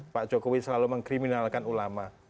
pak jokowi selalu mengkriminalkan ulama